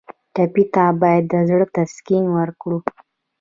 ټپي ته باید د زړه تسکین ورکړو.